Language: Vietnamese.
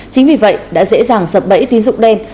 chính vì vậy đã dễ dàng sập bẫy tín dụng đen